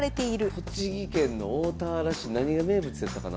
栃木県の大田原市何が名物やったかな。